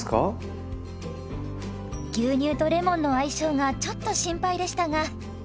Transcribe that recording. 牛乳とレモンの相性がちょっと心配でしたが。